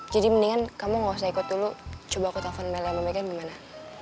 jadi mendingan kamu ga usah ikut dulu coba aku telfon mele sama megan gimana